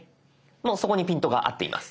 もうそこにピントが合っています。